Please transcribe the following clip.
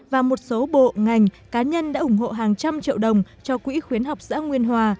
và một số bộ ngành cá nhân đã ủng hộ hàng trăm triệu đồng cho quỹ khuyến học xã nguyên hòa